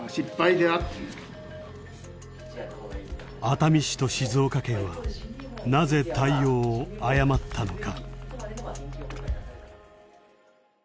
熱海市と静岡県はなぜ対応を誤ったのか。